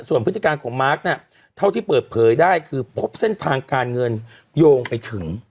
ส่วนพฤติการของมาร์คเนี่ยเท่าที่เปิดเผยได้คือพบเส้นทางการเงินโยงไปถึง